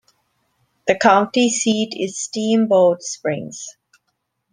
The county seat is Steamboat Springs.